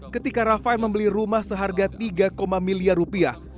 ketika rafael membeli rumah seharga tiga miliar rupiah